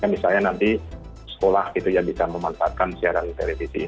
misalnya nanti sekolah gitu ya bisa memanfaatkan siaran televisi